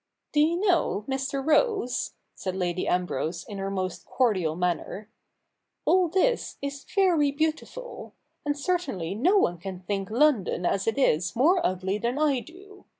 ' Do you know, Mr. Rose,' said Lady Ambrose in her most cordial manner, ' all this is very beautiful ; and certainly no one can think London as it is more ugly than I do.